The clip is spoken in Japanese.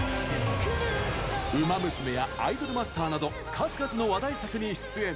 「ウマ娘」や「アイドルマスター」など数々の話題作に出演。